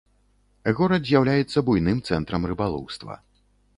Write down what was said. Горад з'яўляецца буйным цэнтрам рыбалоўства.